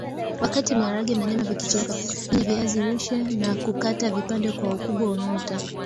Wakati maharage na nyama vikichemka menya viazi lishe na kukata vipande kwa ukubwa unaotaka